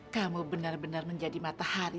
kamu benar benar menjadi matahari